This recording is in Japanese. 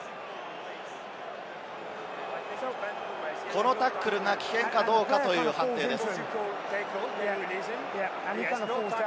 このタックルが危険かどうかという判定です。